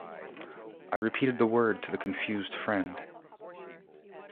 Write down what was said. I repeated the word to the confused friend.